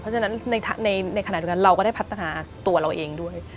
เพราะฉะนั้นในขณะตรงนั้นเราก็ได้พัฒนาตัวเราเองด้วย